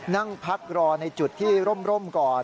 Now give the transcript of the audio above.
นั่งพักรอในจุดที่ร่มก่อน